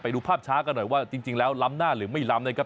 ดูภาพช้ากันหน่อยว่าจริงแล้วล้ำหน้าหรือไม่ล้ำนะครับ